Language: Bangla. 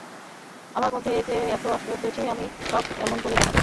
আমার মধ্যে এ যে কত আশ্চর্য সে আমি কাউকে কেমন করে জানাব।